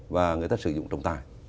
và người ta sử dụng trồng tài